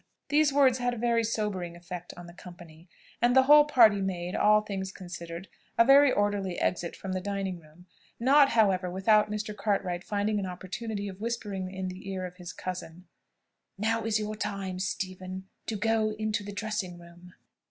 These words had a very sobering effect on the company, and the whole party made, all things considered, a very orderly exit from the dining room, not however without Mr. Cartwright finding an opportunity of whispering in the ear of his cousin "Now is your time, Stephen, to go into the dressing room."